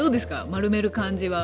丸める感じは？